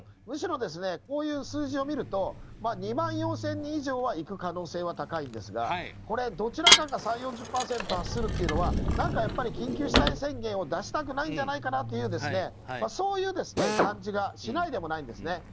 むしろ、こういう数字を見ると２万４０００人以上はいく可能性は高いんですがどちらかが３０４０％に達するっていうのは緊急事態宣言を出したくないんじゃないかなというそういう感じがしないでもないんですね。